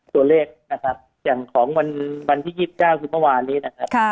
ตัวเลขนะครับอย่างของวันวันที่ยี่สิบเจ้าคือเมื่อวานนี้นะครับค่ะ